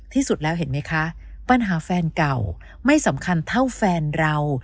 ที่สุดแล้วเห็นไหมคะปัญหาแฟนเก่าไม่สำคัญเท่าแฟนเรา